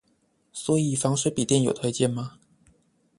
所以防水筆電有推薦嗎